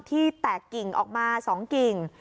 ที่แตกกิ่งออกมา๒กิ่ง